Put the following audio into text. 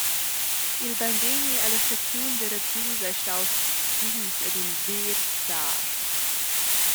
Il beinvegni alla staziun da Rabius ei staus digns ad in ver star.